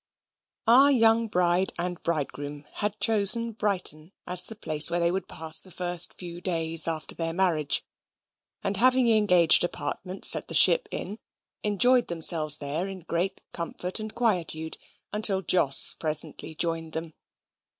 Our young bride and bridegroom had chosen Brighton as the place where they would pass the first few days after their marriage; and having engaged apartments at the Ship Inn, enjoyed themselves there in great comfort and quietude, until Jos presently joined them.